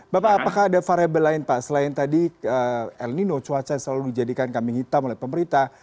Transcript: bapak apakah ada variable lain pak selain tadi el nino cuaca selalu dijadikan kambing hitam oleh pemerintah